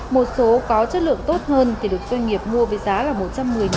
một số có chất lượng tốt hơn thì được doanh nghiệp mua với giá là một trăm một mươi đồng